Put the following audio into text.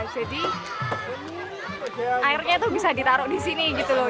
jadi airnya tuh bisa ditaruh disini gitu loh